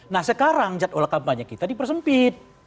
nah sekarang jadwal kampanye kita dipersempit